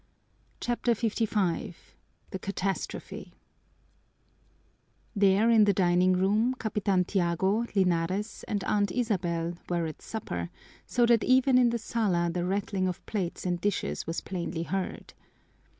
CHAPTER LV The Catastrophe There in the dining room Capitan Tiago, Linares, and Aunt Isabel were at supper, so that even in the sala the rattling of plates and dishes was plainly heard.